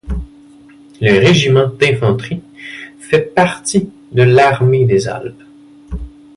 Le Régiment d'Infanterie fait partie de l'Armée des Alpes.